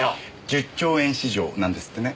１０兆円市場なんですってね。